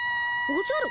おじゃる？